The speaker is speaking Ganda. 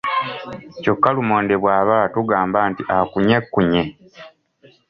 Kyokka lumonde bwabala tugamba nti akunyekkunye.